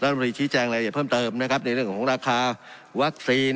มรีชี้แจงรายละเอียดเพิ่มเติมนะครับในเรื่องของราคาวัคซีน